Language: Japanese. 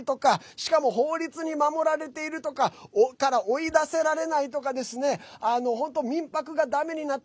しかも法律に守られているから追い出せられないとか、本当民泊がだめになった